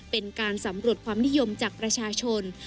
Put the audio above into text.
เป็นการสำรวจความนิยมจากประชาชน